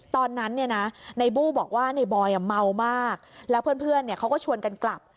ตอนนั้นเนี่ยนะในบู้บอกว่าในบอยเมามากแล้วเพื่อนเขาก็ชวนกันกลับ